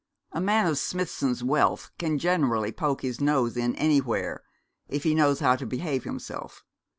A man of Smithson's wealth can generally poke his nose in anywhere, if he knows how to behave himself.